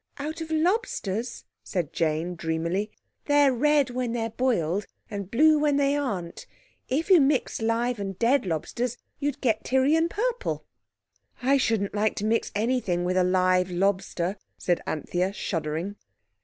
"Out of lobsters?" said Jane dreamily. "They're red when they're boiled, and blue when they aren't. If you mixed live and dead lobsters you'd get Tyrian purple." "I shouldn't like to mix anything with a live lobster," said Anthea, shuddering.